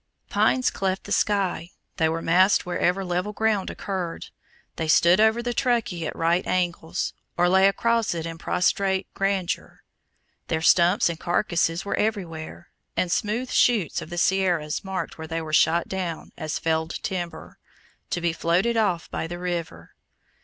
Pines cleft the sky; they were massed wherever level ground occurred; they stood over the Truckee at right angles, or lay across it in prostrate grandeur. Their stumps and carcasses were everywhere; and smooth "shoots" on the sierras marked where they were shot down as "felled timber," to be floated off by the river.